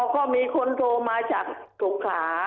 อ๋อเค้ามีคนโทรมาจากตรงขา